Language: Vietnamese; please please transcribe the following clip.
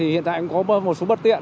hiện tại cũng có một số bất tiện